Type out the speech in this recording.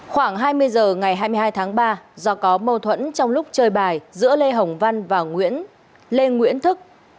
khoảng hai mươi h ngày hai mươi hai tháng ba do có mâu thuẫn trong lúc chơi bài giữa lê hồng văn và lê nguyễn thức